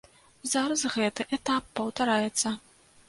Зараз гэты этап паўтараецца.